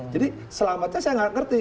jadi selamatnya saya gak ngerti